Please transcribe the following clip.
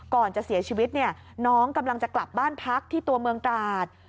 ก่อนจะเสียชีวิตเนี่ยน้องกำลังจะกลับบ้านพักที่ตัวเมืองตราด